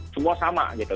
semua sama gitu